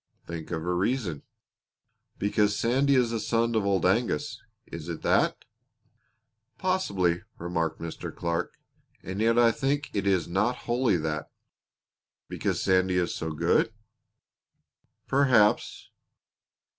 "Think of a reason." "Because Sandy is the son of Old Angus is it that?" "Possibly," responded Mr. Clark, "and yet I think it is not wholly that." "Because Sandy is so good?" "Perhaps."